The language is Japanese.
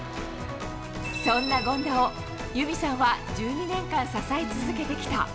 そんな権田を、裕美さんは１２年間支え続けてきた。